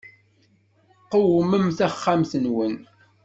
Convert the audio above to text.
Qewmem taxxamt-nwen.